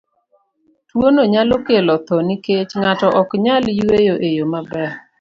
Tuwono nyalo kelo tho nikech ng'ato ok nyal yweyo e yo maber.